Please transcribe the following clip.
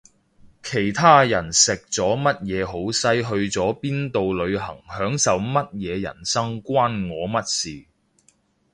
其他人食咗乜嘢好西去咗邊度旅行享受乜嘢人生關我乜事